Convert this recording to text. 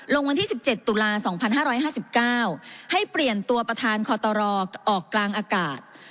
ลงวันที่สิบเจ็ดตุลาสองพันห้าร้อยห้าสิบเก้าให้เปลี่ยนตัวประธานคอตรออกกลางอากาศ